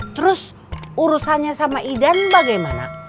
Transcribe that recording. terus urusannya sama idan bagaimana